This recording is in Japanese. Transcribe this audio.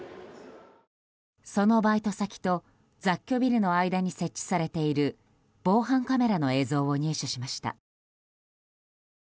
そのバイト先と雑居ビルの間に設置されている防犯カメラの映像を入手しました。